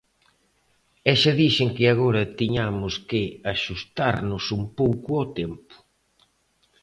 E xa dixen que agora tiñamos que axustarnos un pouco ao tempo.